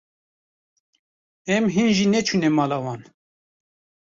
Em hîn jî neçûne mala wan.